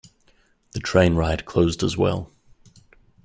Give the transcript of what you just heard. The train ride closed as well.